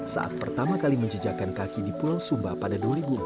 saat pertama kali menjejakan kaki di pulau sumba pada dua ribu empat